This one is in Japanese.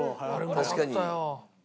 確かに。